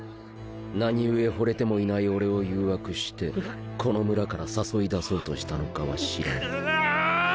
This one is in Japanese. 何故惚れてもいない俺を誘惑してこの村から誘い出そうとしたのかは知らぬ。